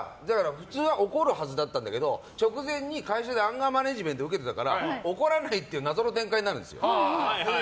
僕は普通は怒るはずだったんだけど直前に会社でアンガーマネジメント受けてたから怒らないっていう謎の展開になるんですよ。